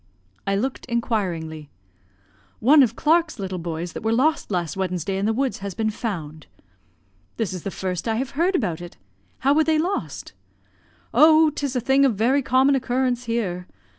I looked inquiringly. "One of Clark's little boys that were lost last Wednesday in the woods has been found." "This is the first I have heard about it. How were they lost?" "Oh, 'tis a thing of very common occurrence here.